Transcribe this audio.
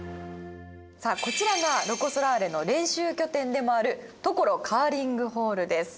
さあこちらがロコ・ソラーレの練習拠点でもある常呂カーリングホールです。